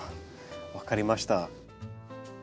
分かりました。